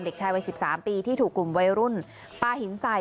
เด็กชายวัย๑๓ปีที่ถูกกลุ่มวัยรุ่นปลาหินใส่